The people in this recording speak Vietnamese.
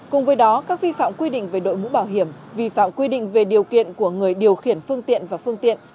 cùng với đó các vi phạm quy định về đội mũ bảo hiểm vi phạm quy định về điều kiện của người điều khiển phương tiện và phương tiện